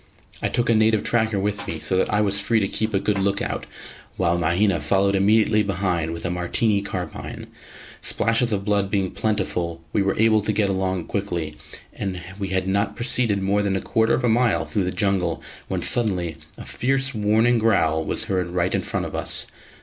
I took a native tracker with me, so that I was free to keep a good look out, while Mahina followed immediately behind with a Martini carbine. Splashes of blood being plentiful, we were able to get along quickly; and we had not proceeded more than a quarter of a mile through the jungle when suddenly a fierce warning growl was heard right in front of us.